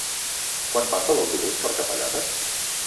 Quan passa l'autobús per Capellades?